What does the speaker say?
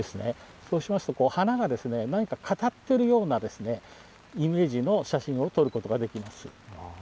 そうしますと花が何か語っているようなイメージの写真を撮ることができます。